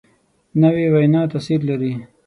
نوې وینا تاثیر لري